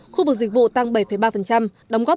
khu vực dịch vụ tăng bảy ba đóng góp bốn mươi năm